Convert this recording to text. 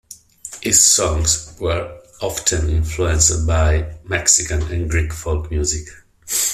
His songs were often influenced by Mexican and Greek folk music.